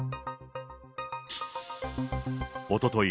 おととい